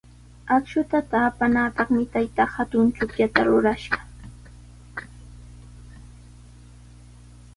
Akshuta taapanapaqmi taytaa hatun chukllata rurashqa.